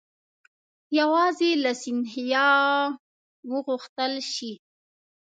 یوازې له سیندهیا وغوښتل شي.